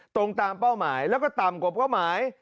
ตรงตามเป้าหมายแล้วก็ต่ำกว่าเป้าหมาย